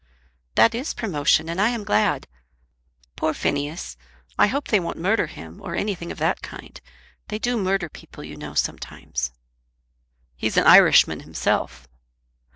"That is promotion, and I am glad! Poor Phineas! I hope they won't murder him, or anything of that kind. They do murder people, you know, sometimes." "He's an Irishman himself."